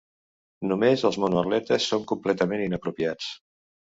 Només els monoatletes són completament inapropiats.